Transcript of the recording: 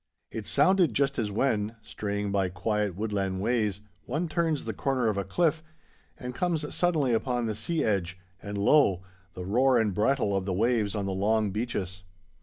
It sounded just as when, straying by quiet woodland ways, one turns the corner of a cliff and comes suddenly upon the sea edge, and lo! the roar and brattle of the waves on the long beaches.